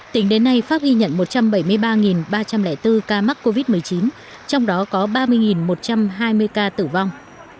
tính đến nay pháp ghi nhận một trăm bảy mươi ba ba trăm linh bốn ca mắc covid một mươi chín trong đó có ba mươi một trăm hai mươi ca tử vong